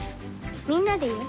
みんなでいう？